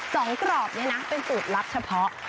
สองกรอบเนี่ยนะเป็นสูตรลับเฉพาะ